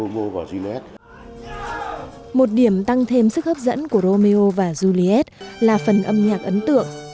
một điểm tăng thêm sức hấp dẫn của romeo và juliet là phần âm nhạc ấn tượng